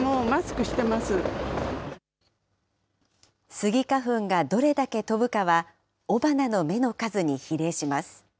スギ花粉がどれだけ飛ぶかは、雄花の芽の数に比例します。